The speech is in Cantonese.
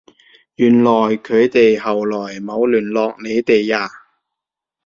原來佢哋後來冇聯絡你哋呀？